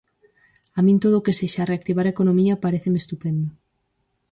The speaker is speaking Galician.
A min todo o que sexa reactivar a economía paréceme estupendo.